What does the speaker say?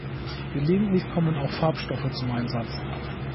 Gelegentlich kommen auch Farbstoffe zum Einsatz.